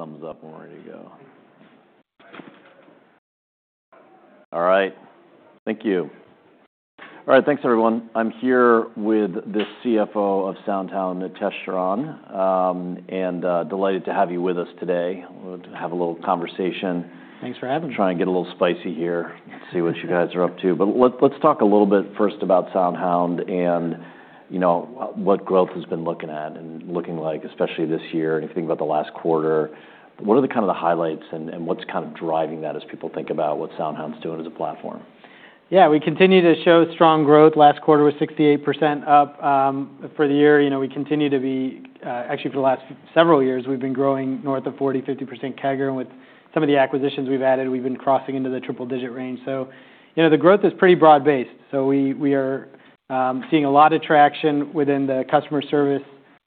Thumbs up, and we're ready to go. All right. Thank you. All right. Thanks, everyone. I'm here with the CFO of SoundHound, Nitesh Sharan, and delighted to have you with us today. We'll have a little conversation. Thanks for having me. Trying to get a little spicy here, see what you guys are up to. But let's talk a little bit first about SoundHound and what growth has been looking at and looking like, especially this year, and if you think about the last quarter. What are the kind of highlights, and what's kind of driving that as people think about what SoundHound's doing as a platform? Yeah. We continue to show strong growth. Last quarter was 68% up for the year. We continue to be, actually, for the last several years, we've been growing north of 40%-50% CAGR. And with some of the acquisitions we've added, we've been crossing into the triple-digit range. So the growth is pretty broad-based. So we are seeing a lot of traction within the customer service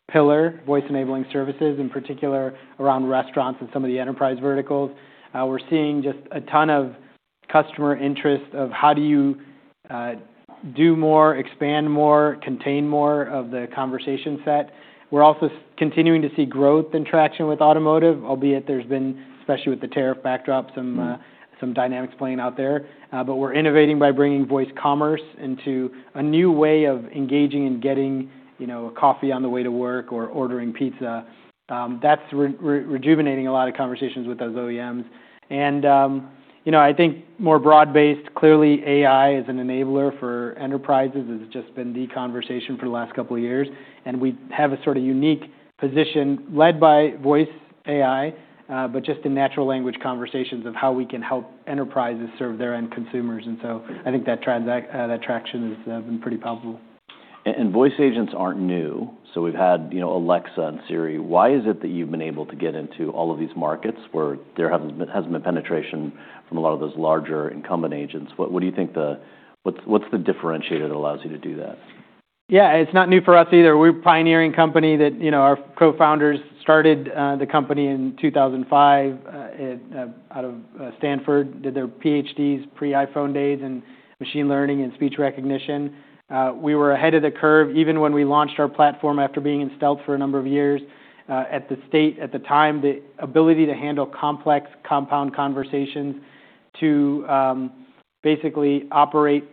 pillar, voice-enabling services, in particular around restaurants and some of the enterprise verticals. We're seeing just a ton of customer interest of, "How do you do more, expand more, contain more of the conversation set?" We're also continuing to see growth and traction with automotive, albeit there's been, especially with the tariff backdrop, some dynamics playing out there. But we're innovating by bringing voice commerce into a new way of engaging and getting coffee on the way to work or ordering pizza. That's rejuvenating a lot of conversations with those OEMs. And I think more broad-based, clearly, AI as an enabler for enterprises has just been the conversation for the last couple of years. And we have a sort of unique position led by voice AI, but just in natural language conversations of how we can help enterprises serve their end consumers. And so I think that traction has been pretty palpable. Voice agents aren't new. We've had Alexa and Siri. Why is it that you've been able to get into all of these markets where there hasn't been penetration from a lot of those larger incumbent agents? What do you think? What's the differentiator that allows you to do that? Yeah. It's not new for us either. We're a pioneering company that our co-founders started the company in 2005 out of Stanford, did their PhDs, pre-iPhone days, and machine learning and speech recognition. We were ahead of the curve even when we launched our platform after being in stealth for a number of years. At the time, the ability to handle complex compound conversations to basically operate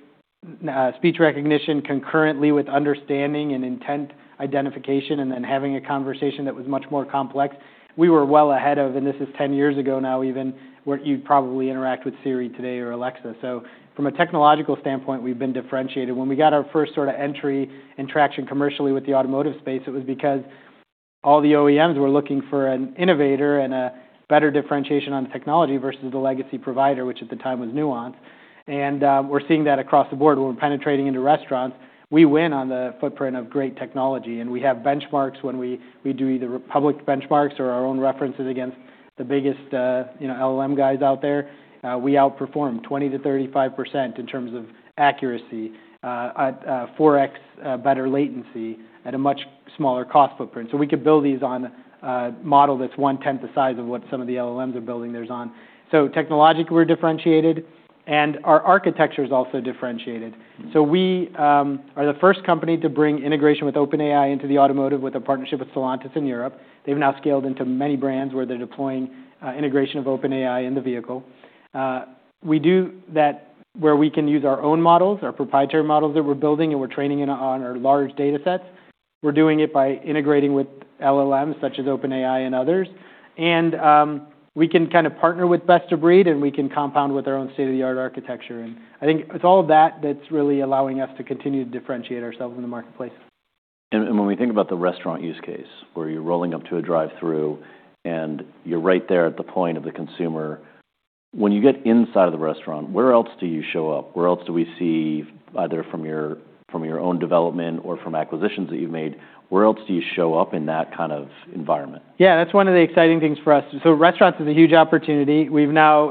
speech recognition concurrently with understanding and intent identification and then having a conversation that was much more complex, we were well ahead of, and this is 10 years ago now even, where you'd probably interact with Siri today or Alexa. So from a technological standpoint, we've been differentiated. When we got our first sort of entry and traction commercially with the automotive space, it was because all the OEMs were looking for an innovator and a better differentiation on the technology versus the legacy provider, which at the time was Nuance, and we're seeing that across the board. When we're penetrating into restaurants, we win on the footprint of great technology, and we have benchmarks when we do either public benchmarks or our own references against the biggest LLM guys out there. We outperform 20%-35% in terms of accuracy, at 4x better latency at a much smaller cost footprint, so we could build these on a model that's one-tenth the size of what some of the LLMs are building theirs on, so technologically, we're differentiated, and our architecture is also differentiated. We are the first company to bring integration with OpenAI into the automotive with a partnership with Stellantis in Europe. They've now scaled into many brands where they're deploying integration of OpenAI in the vehicle. We do that where we can use our own models, our proprietary models that we're building, and we're training on our large data sets. We're doing it by integrating with LLMs such as OpenAI and others. And we can kind of partner with best of breed, and we can compound with our own state-of-the-art architecture. And I think it's all of that that's really allowing us to continue to differentiate ourselves in the marketplace. And when we think about the restaurant use case, where you're rolling up to a drive-through and you're right there at the point of the consumer, when you get inside of the restaurant, where else do you show up? Where else do we see, either from your own development or from acquisitions that you've made, where else do you show up in that kind of environment? Yeah. That's one of the exciting things for us. So restaurants is a huge opportunity. We've now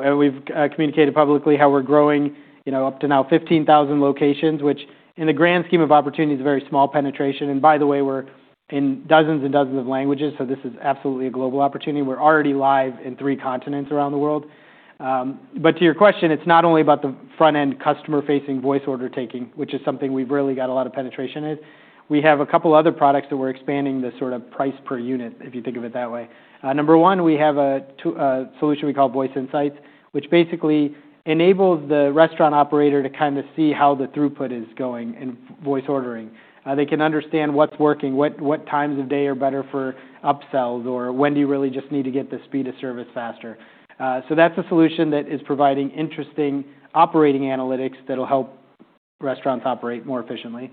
communicated publicly how we're growing up to now 15,000 locations, which in the grand scheme of opportunity is a very small penetration. And by the way, we're in dozens and dozens of languages, so this is absolutely a global opportunity. We're already live in three continents around the world. But to your question, it's not only about the front-end customer-facing voice order taking, which is something we've really got a lot of penetration in. We have a couple of other products that we're expanding the sort of price per unit, if you think of it that way. Number one, we have a solution we call Voice Insights, which basically enables the restaurant operator to kind of see how the throughput is going in voice ordering. They can understand what's working, what times of day are better for upsells, or when do you really just need to get the speed of service faster, so that's a solution that is providing interesting operating analytics that'll help restaurants operate more efficiently,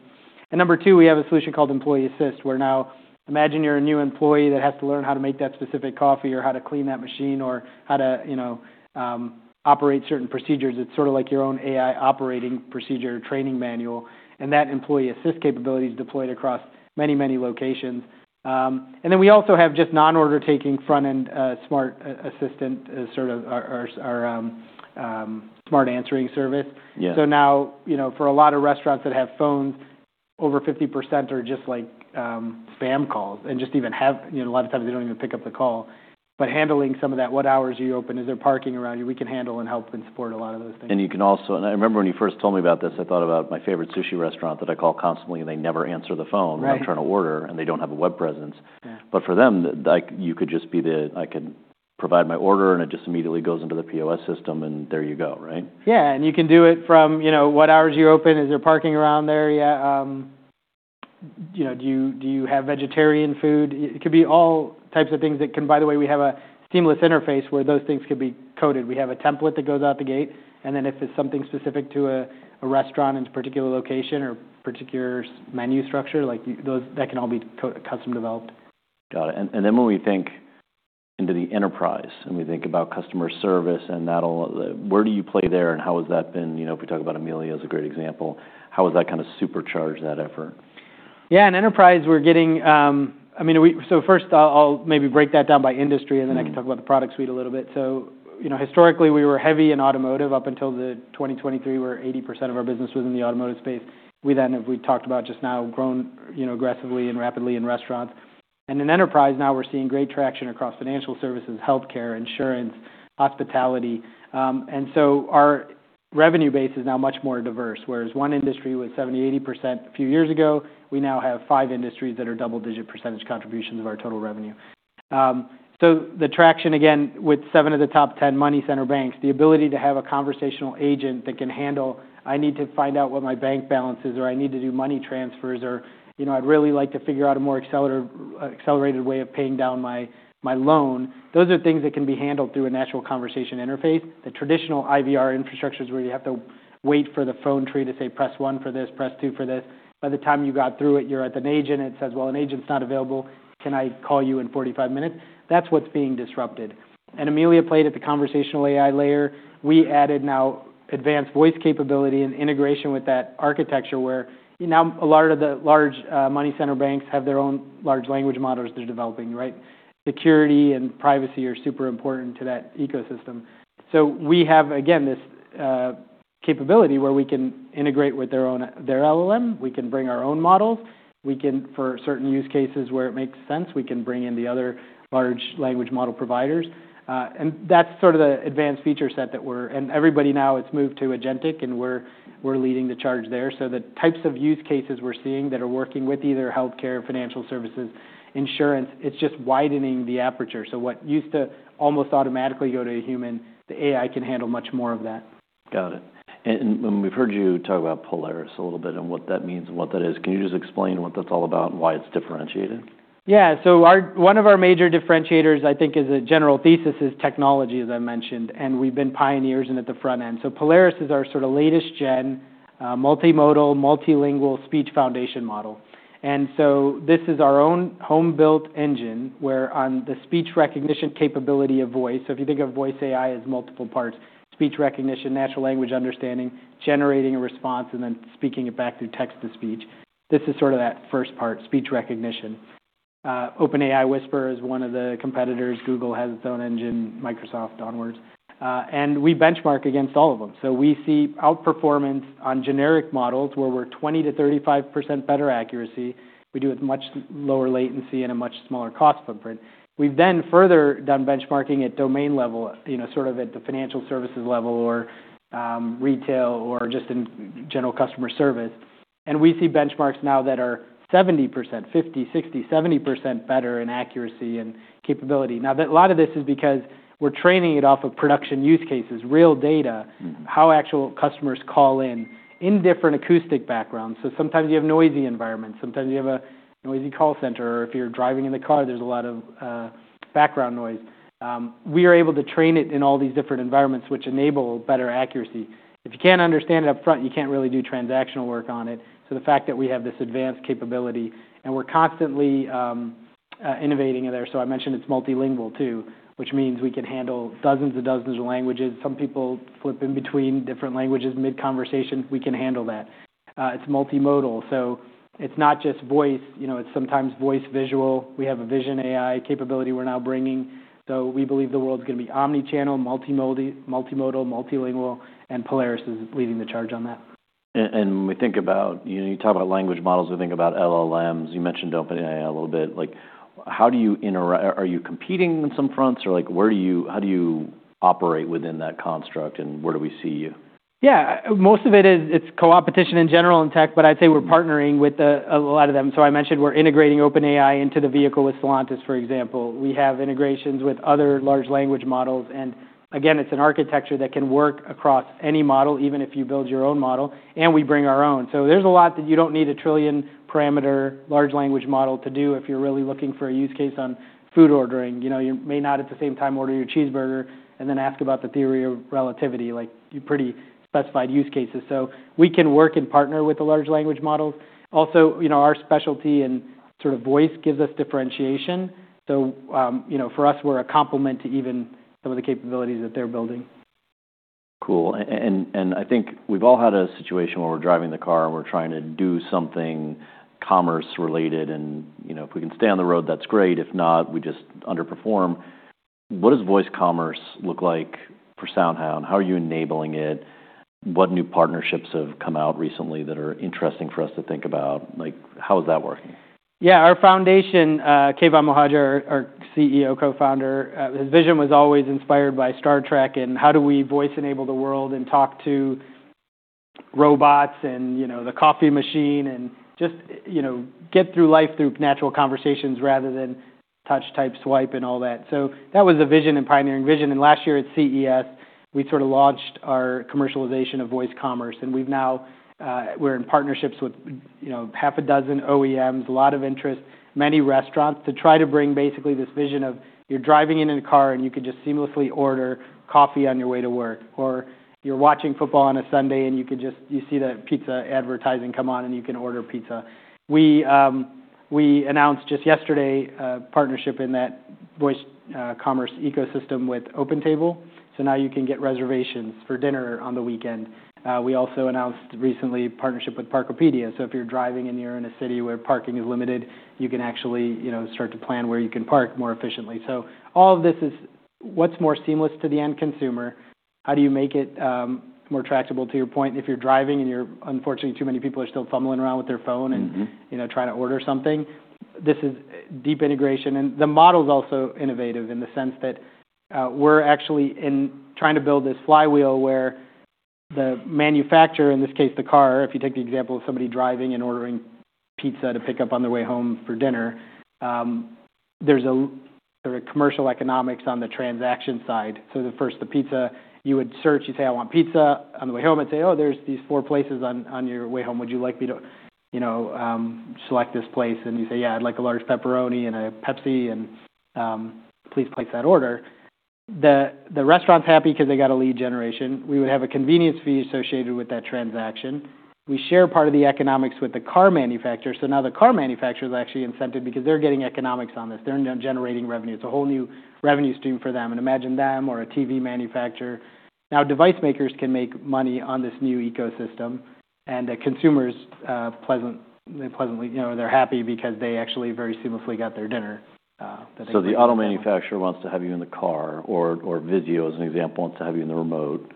and number two, we have a solution called Employee Assist. We're now, imagine you're a new employee that has to learn how to make that specific coffee or how to clean that machine or how to operate certain procedures. It's sort of like your own AI operating procedure training manual, and that Employee Assist capability is deployed across many, many locations, and then we also have just non-order taking front-end smart assistant, sort of our Smart Answering service. So now, for a lot of restaurants that have phones, over 50% are just like spam calls and just even have, a lot of times, they don't even pick up the call. But handling some of that, what hours are you open? Is there parking around you? We can handle and help and support a lot of those things. And you can also, and I remember when you first told me about this. I thought about my favorite sushi restaurant that I call constantly, and they never answer the phone when I'm trying to order, and they don't have a web presence. But for them, you could just be the. I can provide my order, and it just immediately goes into the POS system, and there you go, right? Yeah, and you can do it from what hours you open, is there parking around there? Do you have vegetarian food? It could be all types of things that can. By the way, we have a seamless interface where those things could be coded. We have a template that goes out the gate, and then if it's something specific to a restaurant and a particular location or a particular menu structure, that can all be custom developed. Got it. And then when we think into the enterprise and we think about customer service and that, where do you play there, and how has that been? If we talk about Amelia as a great example, how has that kind of supercharged that effort? Yeah. In enterprise, we're getting, I mean, so first, I'll maybe break that down by industry, and then I can talk about the product suite a little bit. So historically, we were heavy in automotive up until 2023, where 80% of our business was in the automotive space. We then have, we talked about just now growing aggressively and rapidly in restaurants. And in enterprise now, we're seeing great traction across financial services, healthcare, insurance, hospitality. And so our revenue base is now much more diverse, whereas one industry was 70%-80% a few years ago. We now have five industries that are double-digit percentage contributions of our total revenue. So the traction, again, with seven of the top 10 money center banks, the ability to have a conversational agent that can handle, "I need to find out what my bank balance is," or, "I need to do money transfers," or, "I'd really like to figure out a more accelerated way of paying down my loan." Those are things that can be handled through a natural conversation interface. The traditional IVR infrastructures where you have to wait for the phone tree to say, "Press one for this, press two for this." By the time you got through it, you're at an agent, and it says, "Well, an agent's not available. Can I call you in 45 minutes?" That's what's being disrupted. And Amelia played at the conversational AI layer. We added now advanced voice capability and integration with that architecture where now a lot of the large money center banks have their own large language models they're developing, right? Security and privacy are super important to that ecosystem. So we have, again, this capability where we can integrate with their LLM. We can bring our own models. We can, for certain use cases where it makes sense, we can bring in the other large language model providers. And that's sort of the advanced feature set that we're, and everybody now, it's moved to agentic, and we're leading the charge there. So the types of use cases we're seeing that are working with either healthcare, financial services, insurance, it's just widening the aperture. So what used to almost automatically go to a human, the AI can handle much more of that. Got it. And when we've heard you talk about Polaris a little bit and what that means and what that is, can you just explain what that's all about and why it's differentiated? Yeah. So one of our major differentiators, I think, is a general thesis is technology, as I mentioned, and we've been pioneers in at the front end. So Polaris is our sort of latest-gen multimodal, multilingual speech foundation model. And so this is our own home-built engine where on the speech recognition capability of voice. So if you think of voice AI as multiple parts: speech recognition, natural language understanding, generating a response, and then speaking it back through text-to-speech. This is sort of that first part, speech recognition. OpenAI Whisper is one of the competitors. Google has its own engine, Microsoft onwards. And we benchmark against all of them. So we see outperformance on generic models where we're 20%-35% better accuracy. We do it with much lower latency and a much smaller cost footprint. We've then further done benchmarking at domain level, sort of at the financial services level or retail or just in general customer service. And we see benchmarks now that are 70%, 50%, 60%, 70% better in accuracy and capability. Now, a lot of this is because we're training it off of production use cases, real data, how actual customers call in in different acoustic backgrounds. So sometimes you have noisy environments. Sometimes you have a noisy call center, or if you're driving in the car, there's a lot of background noise. We are able to train it in all these different environments, which enable better accuracy. If you can't understand it upfront, you can't really do transactional work on it. So the fact that we have this advanced capability, and we're constantly innovating there. So I mentioned it's multilingual too, which means we can handle dozens and dozens of languages. Some people flip in between different languages mid-conversation. We can handle that. It's multimodal. So it's not just voice. It's sometimes voice visual. We have a vision AI capability we're now bringing. So we believe the world's going to be omnichannel, multimodal, multilingual, and Polaris is leading the charge on that. You talk about language models. We think about LLMs. You mentioned OpenAI a little bit. How do you interact? Are you competing on some fronts, or how do you operate within that construct, and where do we see you? Yeah. Most of it is competition in general in tech, but I'd say we're partnering with a lot of them. So I mentioned we're integrating OpenAI into the vehicle with Stellantis, for example. We have integrations with other large language models. And again, it's an architecture that can work across any model, even if you build your own model, and we bring our own. So there's a lot that you don't need a trillion-parameter large language model to do if you're really looking for a use case on food ordering. You may not at the same time order your cheeseburger and then ask about the theory of relativity, like pretty specified use cases. So we can work and partner with the large language models. Also, our specialty in sort of voice gives us differentiation. So for us, we're a complement to even some of the capabilities that they're building. Cool, and I think we've all had a situation where we're driving the car and we're trying to do something commerce-related, and if we can stay on the road, that's great. If not, we just underperform. What does voice commerce look like for SoundHound? How are you enabling it? What new partnerships have come out recently that are interesting for us to think about? How is that working? Yeah. Our founder, Keyvan Mohajer, our CEO, co-founder, his vision was always inspired by Star Trek and how do we voice-enable the world and talk to robots and the coffee machine and just get through life through natural conversations rather than touch, type, swipe, and all that. So that was a vision and pioneering vision. And last year at CES, we sort of launched our commercialization of voice commerce. And we've now—we're in partnerships with half a dozen OEMs, a lot of interest, many restaurants to try to bring basically this vision of you're driving in a car, and you could just seamlessly order coffee on your way to work, or you're watching football on a Sunday, and you could just—you see the pizza advertising come on, and you can order pizza. We announced just yesterday a partnership in that voice commerce ecosystem with OpenTable. Now you can get reservations for dinner on the weekend. We also announced recently a partnership with Parkopedia. If you're driving and you're in a city where parking is limited, you can actually start to plan where you can park more efficiently. All of this is what's more seamless to the end consumer. How do you make it more tractable, to your point? If you're driving and unfortunately, too many people are still fumbling around with their phone and trying to order something, this is deep integration. The model's also innovative in the sense that we're actually trying to build this flywheel where the manufacturer, in this case, the car, if you take the example of somebody driving and ordering pizza to pick up on their way home for dinner, there's a sort of commercial economics on the transaction side. So first, the pizza, you would search. You say, "I want pizza." On the way home, it'd say, "Oh, there's these four places on your way home. Would you like me to select this place?" And you say, "Yeah, I'd like a large pepperoni and a Pepsi, and please place that order." The restaurant's happy because they got a lead generation. We would have a convenience fee associated with that transaction. We share part of the economics with the car manufacturer. So now the car manufacturer is actually incented because they're getting economics on this. They're now generating revenue. It's a whole new revenue stream for them. And imagine them or a TV manufacturer. Now, device makers can make money on this new ecosystem, and consumers, they're happy because they actually very seamlessly got their dinner that they need. So the auto manufacturer wants to have you in the car, or Vizio, as an example, wants to have you in the remote.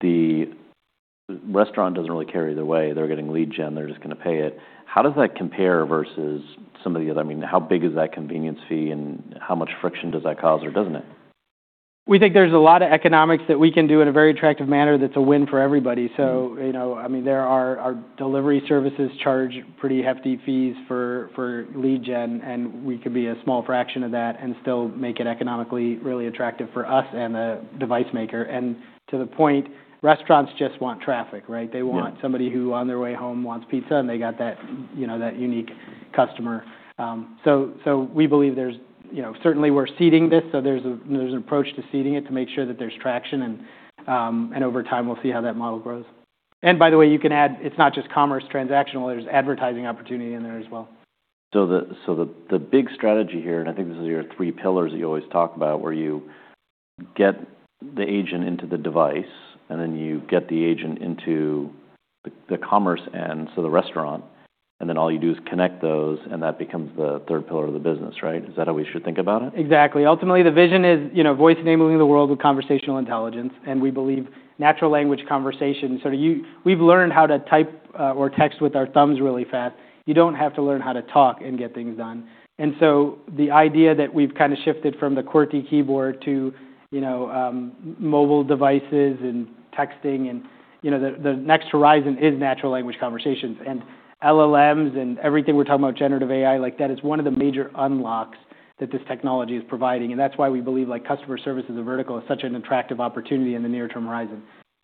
The restaurant doesn't really care that way. They're getting lead gen. They're just going to pay it. How does that compare versus some of the other - I mean, how big is that convenience fee and how much friction does that cause or doesn't it? We think there's a lot of economics that we can do in a very attractive manner that's a win for everybody. So I mean, our delivery services charge pretty hefty fees for lead gen, and we could be a small fraction of that and still make it economically really attractive for us and the device maker. And to the point, restaurants just want traffic, right? They want somebody who on their way home wants pizza, and they got that unique customer. So we believe we're certainly seeding this. So there's an approach to seeding it to make sure that there's traction. And over time, we'll see how that model grows. And by the way, you can add, it's not just commerce transactional. There's advertising opportunity in there as well. So the big strategy here, and I think this is your three pillars that you always talk about, where you get the agent into the device, and then you get the agent into the commerce end, so the restaurant, and then all you do is connect those, and that becomes the third pillar of the business, right? Is that how we should think about it? Exactly. Ultimately, the vision is voice-enabling the world with conversational intelligence. And we believe natural language conversation, so we've learned how to type or text with our thumbs really fast. You don't have to learn how to talk and get things done. And so the idea that we've kind of shifted from the QWERTY keyboard to mobile devices and texting, and the next horizon is natural language conversations and LLMs and everything we're talking about generative AI, like that is one of the major unlocks that this technology is providing. And that's why we believe customer service as a vertical is such an attractive opportunity in the near-term horizon.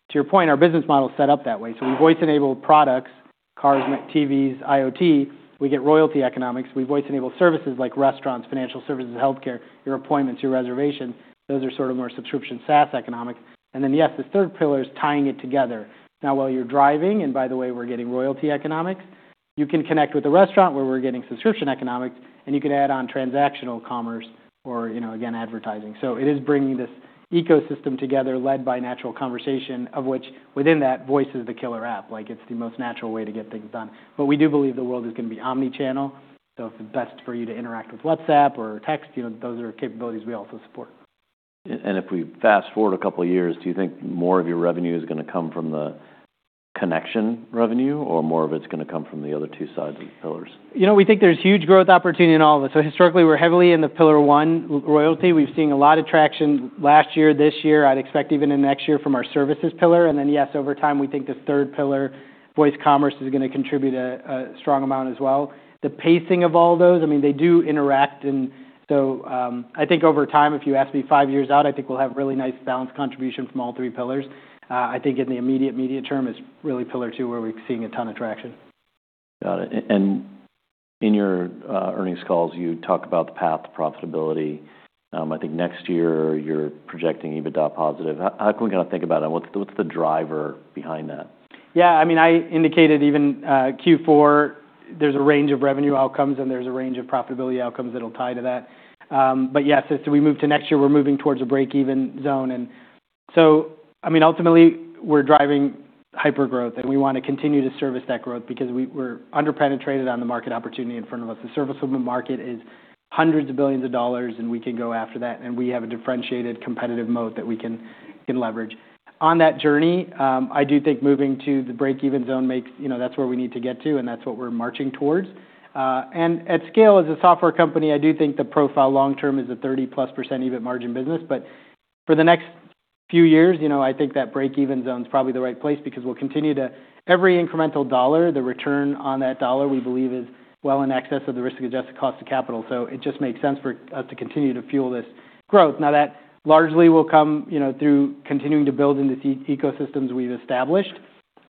To your point, our business model is set up that way. So we voice-enable products, cars, TVs, IoT. We get royalty economics. We voice-enable services like restaurants, financial services, healthcare, your appointments, your reservations. Those are sort of more subscription SaaS economics. And then, yes, the third pillar is tying it together. Now, while you're driving, and by the way, we're getting royalty economics, you can connect with a restaurant where we're getting subscription economics, and you can add on transactional commerce or, again, advertising. So it is bringing this ecosystem together led by natural conversation, of which within that, voice is the killer app. It's the most natural way to get things done. But we do believe the world is going to be omnichannel. So if it's best for you to interact with WhatsApp or text, those are capabilities we also support. If we fast forward a couple of years, do you think more of your revenue is going to come from the connection revenue, or more of it's going to come from the other two sides of the pillars? We think there's huge growth opportunity in all of it. So historically, we're heavily in the pillar one, royalty. We've seen a lot of traction last year, this year. I'd expect even in next year from our services pillar. And then, yes, over time, we think the third pillar, voice commerce, is going to contribute a strong amount as well. The pacing of all those, I mean, they do interact. And so I think over time, if you ask me five years out, I think we'll have really nice balanced contribution from all three pillars. I think in the immediate, medium term is really pillar two where we're seeing a ton of traction. Got it. And in your earnings calls, you talk about the path to profitability. I think next year, you're projecting EBITDA positive. How can we kind of think about it? What's the driver behind that? Yeah. I mean, I indicated even Q4, there's a range of revenue outcomes, and there's a range of profitability outcomes that'll tie to that. But yes, as we move to next year, we're moving towards a break-even zone. And so, I mean, ultimately, we're driving hypergrowth, and we want to continue to service that growth because we're underpenetrated on the market opportunity in front of us. The service of the market is hundreds of billions of dollars, and we can go after that. And we have a differentiated competitive moat that we can leverage. On that journey, I do think moving to the break-even zone makes sense, that's where we need to get to, and that's what we're marching towards. And at scale, as a software company, I do think the profile long-term is a 30-plus% EBIT margin business. But for the next few years, I think that break-even zone is probably the right place because we'll continue to, every incremental dollar, the return on that dollar, we believe is well in excess of the risk-adjusted cost of capital. So it just makes sense for us to continue to fuel this growth. Now, that largely will come through continuing to build in the ecosystems we've established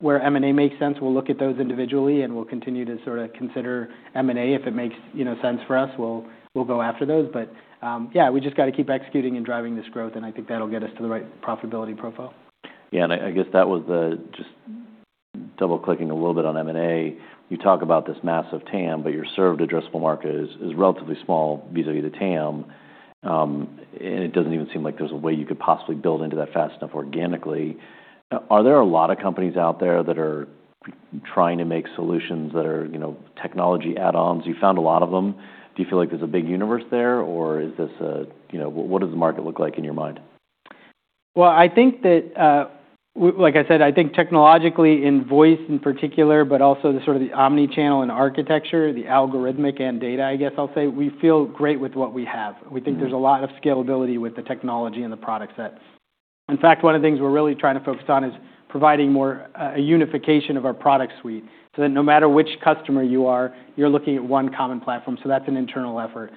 where M&A makes sense. We'll look at those individually, and we'll continue to sort of consider M&A if it makes sense for us. We'll go after those. But yeah, we just got to keep executing and driving this growth, and I think that'll get us to the right profitability profile. Yeah. And I guess that was just double-clicking a little bit on M&A. You talk about this massive TAM, but your served addressable market is relatively small vis-à-vis the TAM, and it doesn't even seem like there's a way you could possibly build into that fast enough organically. Are there a lot of companies out there that are trying to make solutions that are technology add-ons? You found a lot of them. Do you feel like there's a big universe there, or is this a—what does the market look like in your mind? I think that, like I said, I think technologically in voice in particular, but also sort of the omnichannel and architecture, the algorithmic and data, I guess I'll say, we feel great with what we have. We think there's a lot of scalability with the technology and the products that, in fact, one of the things we're really trying to focus on is providing more a unification of our product suite so that no matter which customer you are, you're looking at one common platform. So that's an internal effort.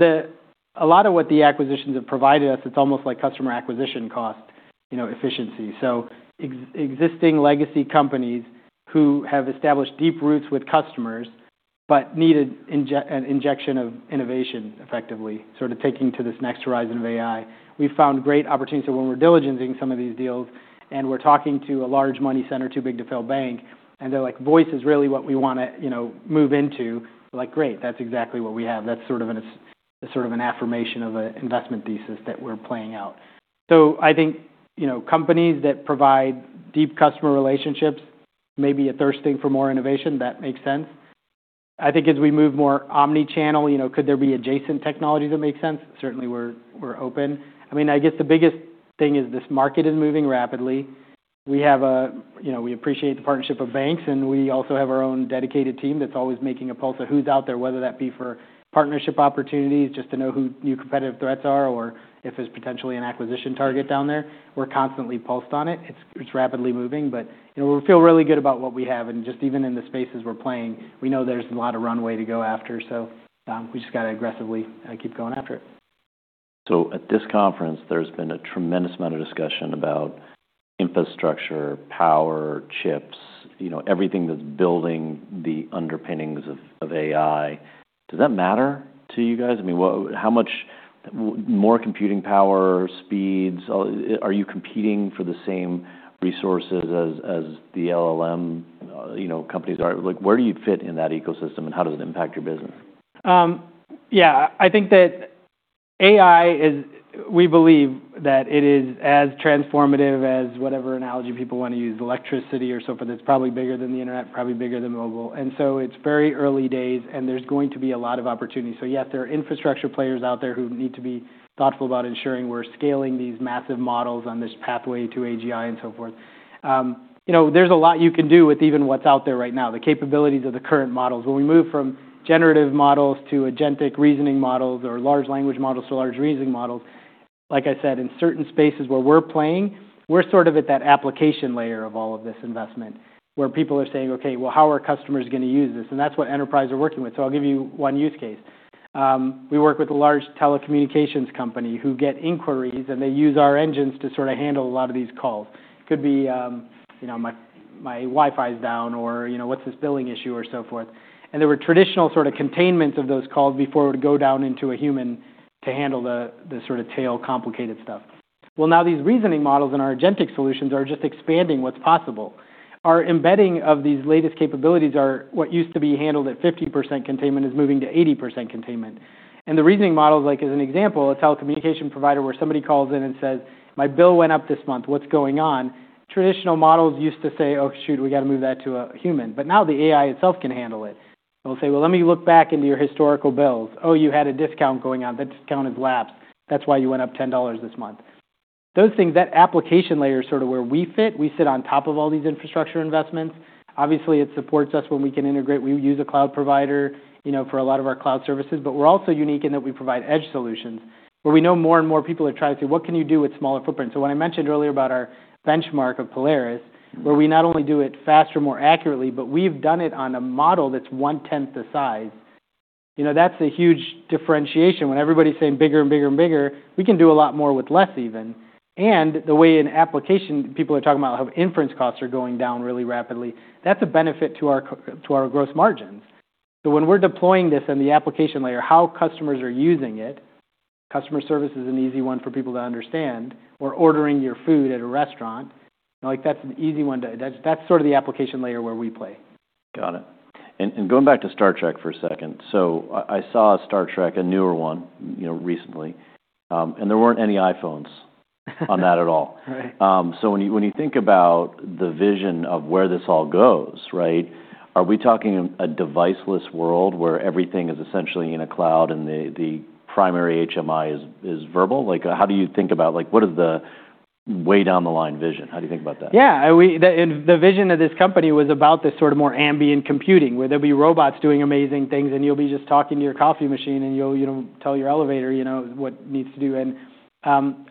A lot of what the acquisitions have provided us, it's almost like customer acquisition cost efficiency. So existing legacy companies who have established deep roots with customers but need an injection of innovation effectively, sort of taking to this next horizon of AI, we've found great opportunities. So when we're diligencing some of these deals and we're talking to a large money center, too big to fail bank, and they're like, "Voice is really what we want to move into," we're like, "Great. That's exactly what we have." That's sort of an affirmation of an investment thesis that we're playing out. So I think companies that provide deep customer relationships may be thirsting for more innovation. That makes sense. I think as we move more omnichannel, could there be adjacent technology that makes sense? Certainly, we're open. I mean, I guess the biggest thing is this market is moving rapidly. We appreciate the partnership of banks, and we also have our own dedicated team that's always taking the pulse of who's out there, whether that be for partnership opportunities, just to know who the new competitive threats are or if there's potentially an acquisition target down there. We're constantly pulsed on it. It's rapidly moving, but we feel really good about what we have. And just even in the spaces we're playing, we know there's a lot of runway to go after. So we just got to aggressively keep going after it. So at this conference, there's been a tremendous amount of discussion about infrastructure, power, chips, everything that's building the underpinnings of AI. Does that matter to you guys? I mean, how much more computing power, speeds? Are you competing for the same resources as the LLM companies are? Where do you fit in that ecosystem, and how does it impact your business? Yeah. I think that AI, we believe that it is as transformative as whatever analogy people want to use, electricity or so forth. It's probably bigger than the internet, probably bigger than mobile, and so it's very early days, and there's going to be a lot of opportunity, so yes, there are infrastructure players out there who need to be thoughtful about ensuring we're scaling these massive models on this pathway to AGI and so forth. There's a lot you can do with even what's out there right now, the capabilities of the current models. When we move from generative models to agentic reasoning models or large language models to large reasoning models, like I said, in certain spaces where we're playing, we're sort of at that application layer of all of this investment where people are saying, "Okay, well, how are customers going to use this?" and that's what enterprises are working with, so I'll give you one use case. We work with a large telecommunications company who get inquiries, and they use our engines to sort of handle a lot of these calls. It could be, "My Wi-Fi is down," or, "What's this billing issue?" or so forth, and there were traditional sort of containments of those calls before it would go down into a human to handle the sort of tail complicated stuff, well, now these reasoning models and our agentic solutions are just expanding what's possible. Our embedding of these latest capabilities are what used to be handled at 50% containment is moving to 80% containment, and the reasoning models, like as an example, a telecommunication provider where somebody calls in and says, "My bill went up this month. What's going on?" Traditional models used to say, "Oh, shoot, we got to move that to a human," but now the AI itself can handle it. It'll say, "Well, let me look back into your historical bills. Oh, you had a discount going on. That discount has lapsed. That's why you went up $10 this month." Those things, that application layer is sort of where we fit. We sit on top of all these infrastructure investments. Obviously, it supports us when we can integrate. We use a cloud provider for a lot of our cloud services, but we're also unique in that we provide edge solutions where we know more and more people are trying to see what can you do with smaller footprints. So when I mentioned earlier about our benchmark of Polaris, where we not only do it faster, more accurately, but we've done it on a model that's one-tenth the size. That's a huge differentiation. When everybody's saying bigger and bigger and bigger, we can do a lot more with less even. And the way in application people are talking about how inference costs are going down really rapidly, that's a benefit to our gross margins. So when we're deploying this in the application layer, how customers are using it, customer service is an easy one for people to understand. We're ordering your food at a restaurant. That's sort of the application layer where we play. Got it. And going back to Star Trek for a second, so I saw Star Trek, a newer one, recently, and there weren't any iPhones on that at all. So when you think about the vision of where this all goes, right, are we talking a deviceless world where everything is essentially in a cloud and the primary HMI is verbal? How do you think about what is the way down the line vision? How do you think about that? Yeah. The vision of this company was about this sort of more ambient computing where there'll be robots doing amazing things, and you'll be just talking to your coffee machine, and you'll tell your elevator what needs to do. And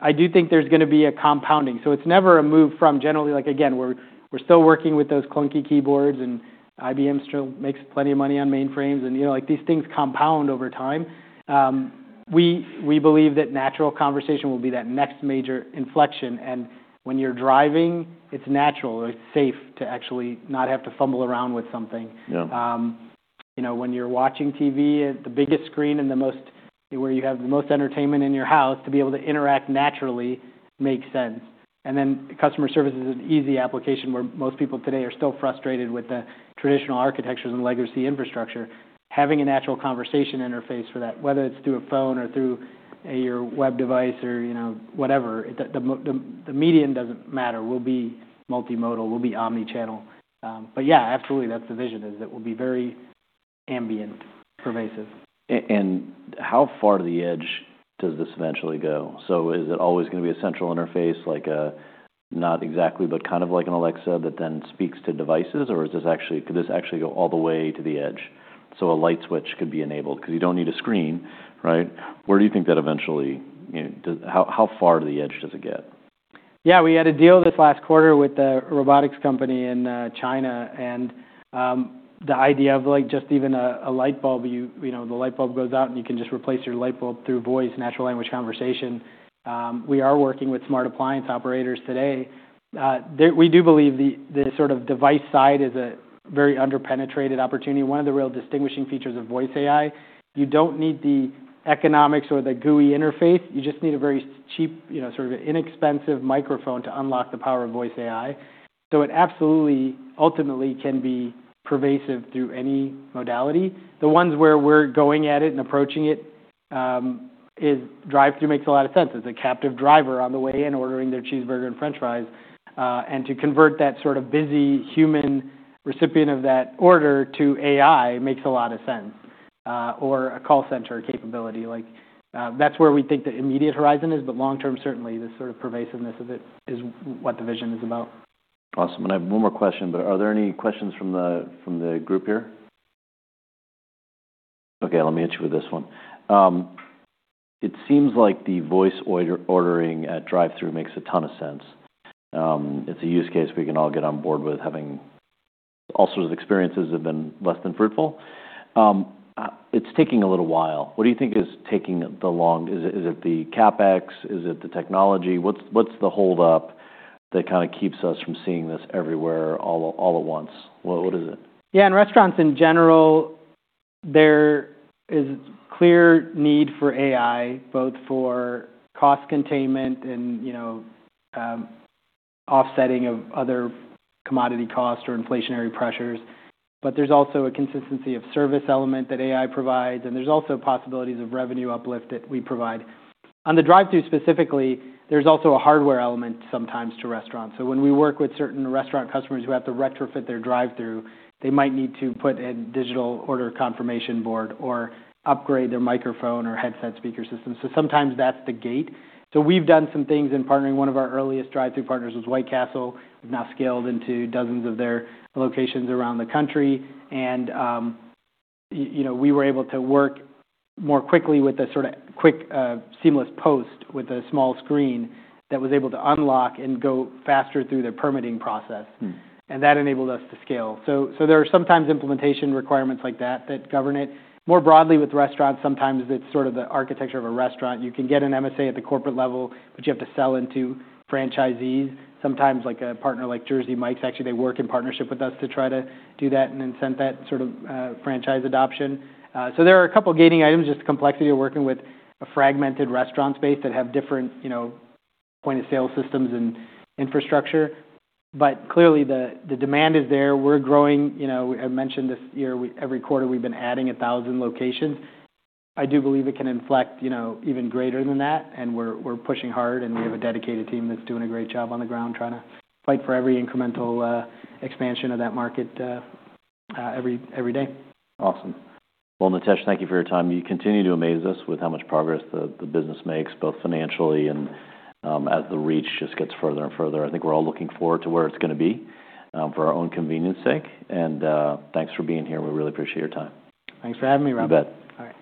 I do think there's going to be a compounding. So it's never a move from generally, again, we're still working with those clunky keyboards, and IBM still makes plenty of money on mainframes. And these things compound over time. We believe that natural conversation will be that next major inflection. And when you're driving, it's natural. It's safe to actually not have to fumble around with something. When you're watching TV, the biggest screen and where you have the most entertainment in your house, to be able to interact naturally makes sense. Customer service is an easy application where most people today are still frustrated with the traditional architectures and legacy infrastructure. Having a natural conversation interface for that, whether it's through a phone or through your web device or whatever, the median doesn't matter. We'll be multimodal. We'll be omnichannel. Yeah, absolutely, that's the vision is that we'll be very ambient, pervasive. How far to the edge does this eventually go? Is it always going to be a central interface, like, not exactly, but kind of like an Alexa that then speaks to devices? Or does this actually go all the way to the edge? A light switch could be enabled because you don't need a screen, right? Where do you think that eventually, how far to the edge does it get? Yeah. We had a deal this last quarter with a robotics company in China, and the idea of just even a light bulb. The light bulb goes out, and you can just replace your light bulb through voice, natural language conversation. We are working with smart appliance operators today. We do believe the sort of device side is a very underpenetrated opportunity. One of the real distinguishing features of voice AI, you don't need the economics or the GUI interface. You just need a very cheap, sort of inexpensive microphone to unlock the power of voice AI. So it absolutely, ultimately, can be pervasive through any modality. The ones where we're going at it and approaching it is drive-through makes a lot of sense. It's a captive driver on the way in ordering their cheeseburger and French fries. And to convert that sort of busy human recipient of that order to AI makes a lot of sense. Or a call center capability. That's where we think the immediate horizon is, but long-term, certainly, the sort of pervasiveness of it is what the vision is about. Awesome. And I have one more question, but are there any questions from the group here? Okay. Let me hit you with this one. It seems like the voice ordering at drive-through makes a ton of sense. It's a use case we can all get on board with, having all sorts of experiences that have been less than fruitful. It's taking a little while. What do you think is taking so long? Is it the CapEx? Is it the technology? What's the holdup that kind of keeps us from seeing this everywhere all at once? What is it? Yeah. In restaurants in general, there is a clear need for AI, both for cost containment and offsetting of other commodity costs or inflationary pressures. But there's also a consistency of service element that AI provides, and there's also possibilities of revenue uplift that we provide. On the drive-through specifically, there's also a hardware element sometimes to restaurants. So when we work with certain restaurant customers who have to retrofit their drive-through, they might need to put a digital order confirmation board or upgrade their microphone or headset speaker system. So sometimes that's the gate. So we've done some things in partnering one of our earliest drive-through partners with White Castle. We've now scaled into dozens of their locations around the country. And we were able to work more quickly with a sort of quick seamless POS with a small screen that was able to unlock and go faster through their permitting process. And that enabled us to scale. So there are sometimes implementation requirements like that that govern it. More broadly with restaurants, sometimes it's sort of the architecture of a restaurant. You can get an MSA at the corporate level, but you have to sell into franchisees. Sometimes a partner like Jersey Mike's, actually, they work in partnership with us to try to do that and incent that sort of franchise adoption. So there are a couple of gating items, just the complexity of working with a fragmented restaurant space that have different point-of-sale systems and infrastructure. But clearly, the demand is there. We're growing. I mentioned this year, every quarter, we've been adding 1,000 locations. I do believe it can inflect even greater than that, and we're pushing hard, and we have a dedicated team that's doing a great job on the ground trying to fight for every incremental expansion of that market every day. Awesome. Well, Nitesh, thank you for your time. You continue to amaze us with how much progress the business makes, both financially and as the reach just gets further and further. I think we're all looking forward to where it's going to be for our own convenience sake. And thanks for being here. We really appreciate your time. Thanks for having me, Rob. You bet. All right.